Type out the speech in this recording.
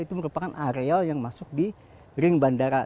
itu merupakan areal yang masuk di ring bandara